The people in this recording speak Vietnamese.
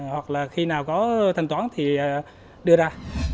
hoặc là khi nào có thanh toán thì đưa ra